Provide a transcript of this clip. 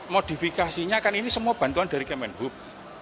modifikasinya kan ini semua bantuan dari kemenhub